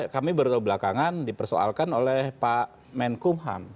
kami berdua belakangan dipersoalkan oleh pak menkumham